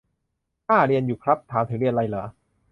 อ่า เรียนอยู่ครับ ถามถึงเรียนไรเหรอ ?